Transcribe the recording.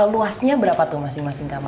luasnya berapa tuh masing masing kamar